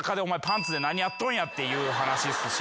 何やっとんやっていう話っすし。